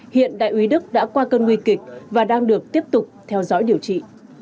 hiện đại úy đức đã qua cơn nguy kịch và đang được tiếp tục theo dõi điều trị